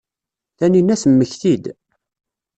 Taninna temmekti-d.